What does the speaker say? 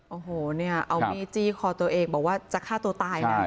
โอ้โหเนี่ยเอามีดจี้คอตัวเองบอกว่าจะฆ่าตัวตายนะ